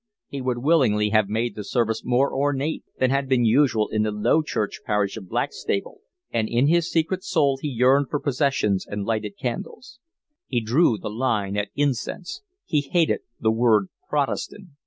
He would willingly have made the service more ornate than had been usual in the low church parish of Blackstable, and in his secret soul he yearned for processions and lighted candles. He drew the line at incense. He hated the word protestant.